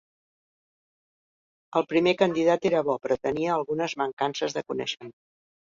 El primer candidat era bo però tenia algunes mancances de coneixement.